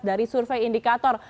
dari survei indikator